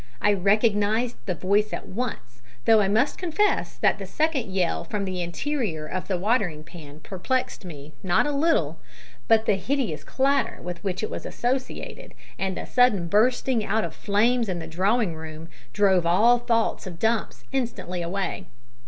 I recognised the voice at once, though I must confess that the second yell from the interior of the watering pan perplexed me not a little, but the hideous clatter with which it was associated, and the sudden bursting out of flames in the drawing room, drove all thoughts of Dumps instantly away.